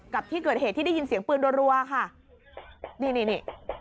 กับที่เกิดเหตุที่ได้ยินเสียงปืนรัวค่ะนี่นี่นี่